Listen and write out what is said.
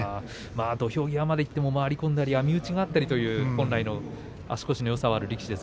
土俵際に行っても回り込んだり網打ちがあったりという足腰のよさがある力士です。